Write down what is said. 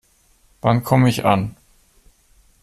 Wann komme ich an?